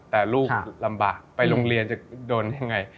แต่ลูกลำบากไปโรงเรียนจะโดนยังไง